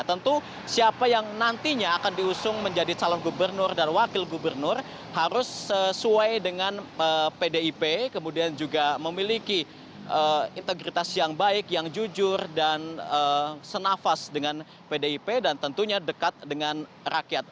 tentu siapa yang nantinya akan diusung menjadi calon gubernur dan wakil gubernur harus sesuai dengan pdip kemudian juga memiliki integritas yang baik yang jujur dan senafas dengan pdip dan tentunya dekat dengan rakyat